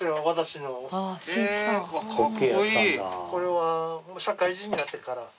これは社会人になってから。